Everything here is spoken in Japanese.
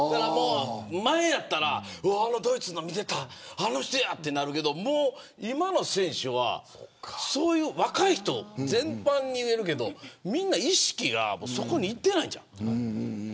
前やったら、ドイツの見てたあの人や、となるけど今の選手は若い人全般に言えるけどみんな意識がそこにいってないんとちゃう。